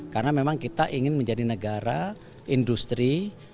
karena memang kita ingin menjadi negara industri